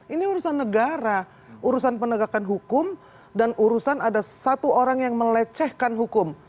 ini urusan negara urusan penegakan hukum dan urusan ada satu orang yang melecehkan hukum